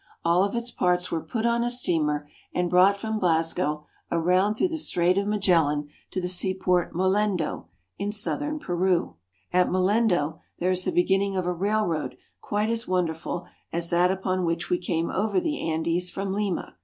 All of its parts were put on a steamer and brought from Glasgow around through the Strait of Magellan to the seaport Mollendo, in southern Peru. Let us take a look at our ship." At Mollendo there is the beginning of a railroad quite as wonderful as that upon which we came over the Andes from Lima.